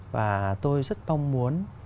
và tôi rất mong muốn